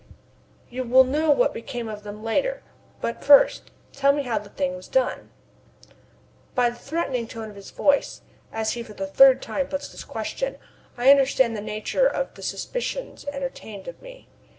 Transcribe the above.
"You will know what became of them later. But first, tell me how, the thing was done." By the threatening tone of his voice, as he for the third time puts this question, I understand the nature of the suspicions entertained of me.